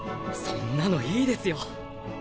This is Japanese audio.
そんなのいいですよ。